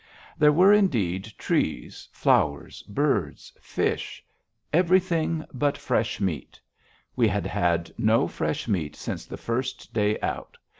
There were, indeed, trees, flowers, birds, fish everything but fresh meat. We had had no fresh meat since the first day out.